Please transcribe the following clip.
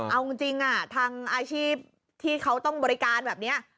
เอาจริงทางอาชีพที่เขาต้องบริการแบบนี้